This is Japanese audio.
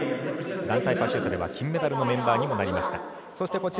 団体パシュートでは金メダルのメンバーにもなりました。